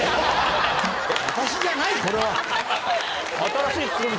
私じゃないこれは！